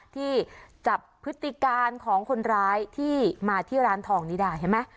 ที่จับพฤติการของคนร้ายที่มาที่ร้านทองนี้ได้เห็นไหม